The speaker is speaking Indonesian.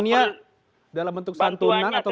bantuannya dalam bentuk santunan atau bagaimana